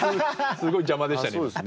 すごい邪魔でしたね。